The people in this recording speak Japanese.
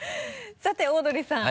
さてオードリーさん。